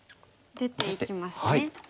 出ていきますね。